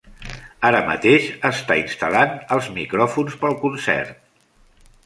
Ara mateix està instal·lant els micròfons pel concert.